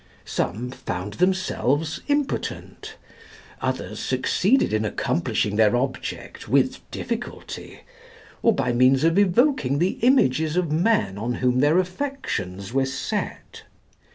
Some found themselves impotent. Others succeeded in accomplishing their object with difficulty, or by means of evoking the images of men on whom their affections were set.